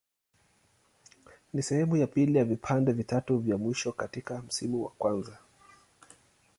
Ni sehemu ya pili ya vipande vitatu vya mwisho katika msimu wa kwanza.